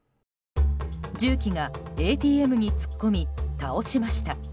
重機がＡＴＭに突っ込み倒しました。